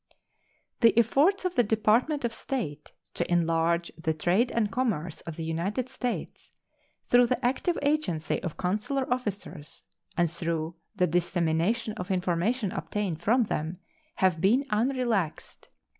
The efforts of the Department of State to enlarge the trade and commerce of the United States, through the active agency of consular officers and through the dissemination of information obtained from them, have been unrelaxed.